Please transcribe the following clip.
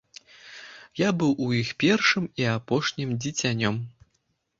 Я быў у іх першым і апошнім дзіцянём.